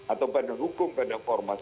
atau pada hukum pada formalitas